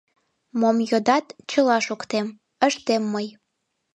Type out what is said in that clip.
Мом йодат — чыла шуктем, ыштем мый».